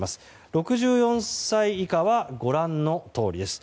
６４歳以下はご覧のとおりです。